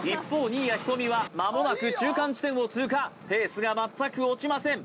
新谷仁美はまもなく中間地点を通過ペースが全く落ちません